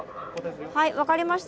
はい分かりました。